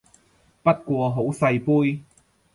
不過好細杯